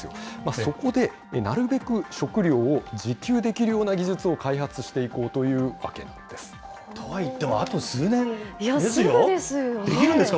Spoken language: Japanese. そこでなるべく食料を自給できるような技術を開発していこうといとはいっても、あと数年ですすぐですよね。